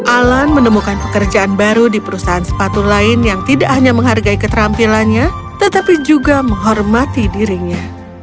alan menemukan pekerjaan baru di perusahaan sepatu lain yang tidak hanya menghargai keterampilannya tetapi juga menghormati dirinya